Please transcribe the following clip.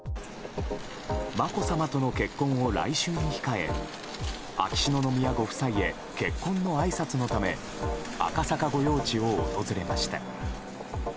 まこさまとの結婚を来週に控え秋篠宮ご夫妻へ結婚のあいさつのため赤坂御用地を訪れました。